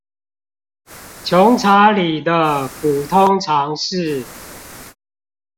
窮查理的普通常識